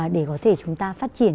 để có thể chúng ta phát triển